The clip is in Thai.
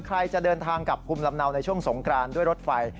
ใครจะเดินทางกลับภูมิลำเนาในช่วงสงกรานด้วยรถไฟ